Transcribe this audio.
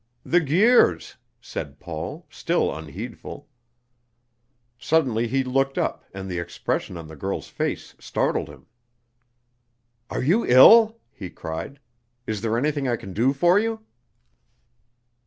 "The Guirs!" said Paul, still unheedful. Suddenly he looked up, and the expression on the girl's face startled him. "Are you ill?" he cried. "Is there anything I can do for you?"